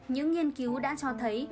những nghiên cứu đã cho thấy